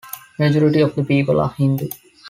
Majority of the people are Hindu.